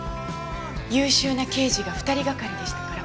優秀な刑事が２人がかりでしたから。